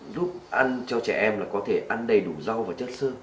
giúp ăn cho trẻ em là có thể ăn đầy đủ rau và chất sơn